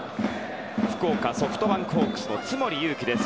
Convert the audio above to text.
福岡ソフトバンクホークスの津森宥紀です。